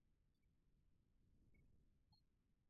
dola mia moja na hamsini za kimarekani